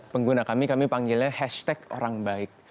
pengguna kami kami panggilnya hashtag orang baik